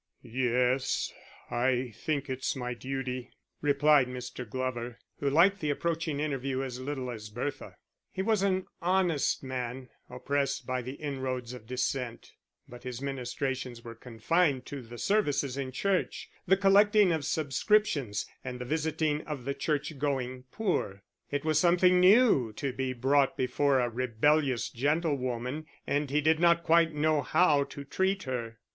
"Yes, I think it's my duty," replied Mr. Glover, who liked the approaching interview as little as Bertha. He was an honest man, oppressed by the inroads of dissent; but his ministrations were confined to the services in church, the collecting of subscriptions, and the visiting of the church going poor. It was something new to be brought before a rebellious gentlewoman, and he did not quite know how to treat her.